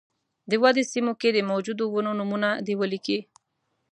د ودې سیمو کې د موجودو ونو نومونه دې ولیکي.